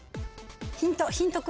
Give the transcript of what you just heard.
ヒント。